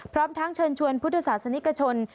พร้อมทั้งเชิญชวนพุทธศาสนิกชน